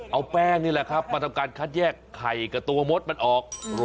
เอาแป้งนี่แหละครับมาทำการคัดแยกไข่กับตัวมดมันออก